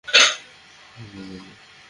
কেউ দেখবে না।